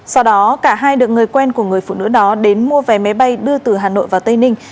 sau đó cả hai được người quen của người phụ nữ đó đến mua vé máy bay đưa từ hà nội vào tây ninh